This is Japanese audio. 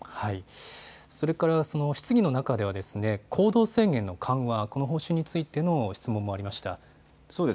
それから質疑の中では行動制限の緩和、この方針についての質問もありました。